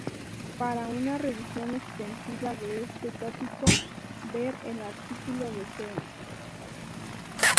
Para una revisión extensiva de este tópico, ver el artículo de Shea.